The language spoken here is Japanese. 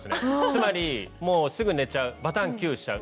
つまりもうすぐ寝ちゃうバタンキューしちゃう。